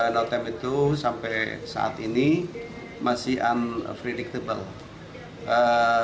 notem itu sampai saat ini masih unpredictable